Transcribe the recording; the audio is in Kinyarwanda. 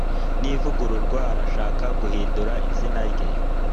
ntivugururwa arashaka guhindura izina rye